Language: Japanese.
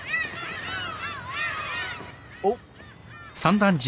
おっ！